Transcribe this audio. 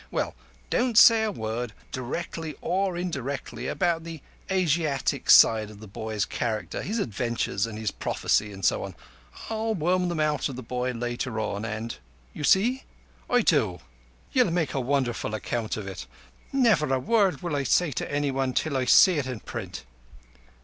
Well, don't say a word, directly or indirectly, about the Asiatic side of the boy's character—his adventures and his prophecy, and so on. I'll worm them out of the boy later on and—you see?" "I do. Ye'll make a wonderful account of it. Never a word will I say to anyone till I see it in print."